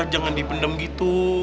jangan dipendam gitu